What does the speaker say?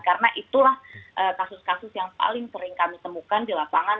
karena itulah kasus kasus yang paling sering kami temukan di lapangan